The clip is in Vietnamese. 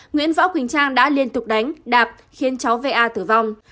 nguyễn võ quỳnh trang đã liên tục đánh đạp khiến cháu va tử vong